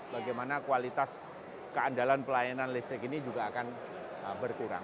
bagaimana kualitas keandalan pelayanan listrik ini juga akan berkurang